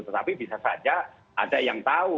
tetapi bisa saja ada yang tahu